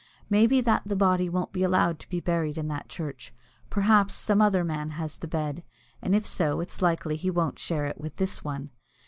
Maybe that the body won't be allowed to be buried in that church; perhaps some other man has the bed, and, if so, it's likely he won't share it with this one.